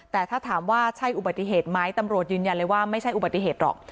แต่ถ้าถามว่าใช่อุบัติเหตุไหมตำรวจยืนยันเลยว่าไม่ใช่อุบัติเหตุหรอก